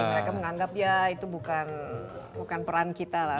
mereka menganggap ya itu bukan peran kita lah